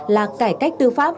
là cải cách tư pháp